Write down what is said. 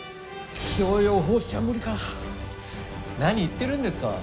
何言ってるんですか。